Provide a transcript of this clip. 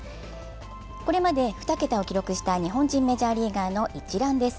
これまで２桁を記録した日本人メジャーリーガーの一覧です。